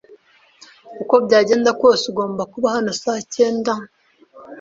uko byagenda kose, ugomba kuba hano saa cyenda.